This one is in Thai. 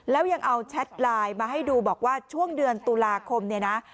แล้วยังเอาแชทไลน์มาให้ดูบอกว่าช่วงเดือนตุลาคมเนี่ยนะ